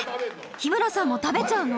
日村さんも食べちゃうの？